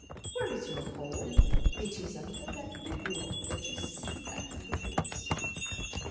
Where is your hole? It is under that big log that you see back in the woods.'